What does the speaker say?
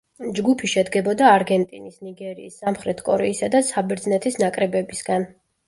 ჯგუფი შედგებოდა არგენტინის, ნიგერიის, სამხრეთ კორეისა და საბერძნეთის ნაკრებებისგან.